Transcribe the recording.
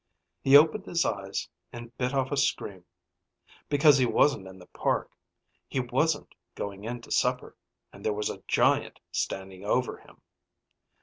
He opened his eyes, and bit off a scream. Because he wasn't in the park, he wasn't going in to supper, and there was a giant standing over him.